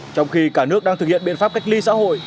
trong khi cả nước đang thực hiện biện pháp cách ly xã hội